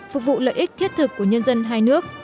phục vụ lợi ích thiết thực của nhân dân hai nước